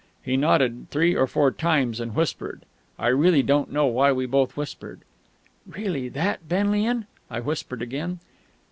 He nodded three or four times, and whispered. I really don't know why we both whispered. "Really that, Benlian?" I whispered again.